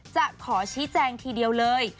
จะขอชี้แจงทีเดียวเลย